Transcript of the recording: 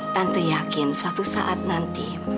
tentu yakin suatu saat nanti